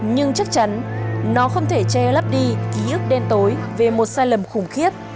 nhưng chắc chắn nó không thể che lấp đi ký ức đen tối về một sai lầm khủng khiếp